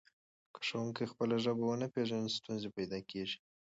که ښوونکی خپله ژبه ونه پېژني ستونزه پیدا کېږي.